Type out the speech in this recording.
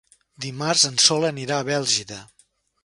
Dimarts en Sol anirà a Bèlgida.